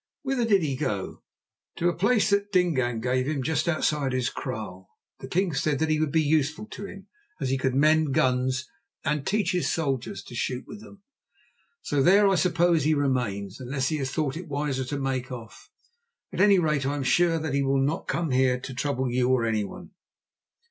"Whither did he go?" "To a place that Dingaan gave him just outside his kraal. The king said that he would be useful to him, as he could mend guns and teach his soldiers to shoot with them. So there, I suppose, he remains, unless he has thought it wiser to make off. At any rate, I am sure that he will not come here to trouble you or anyone."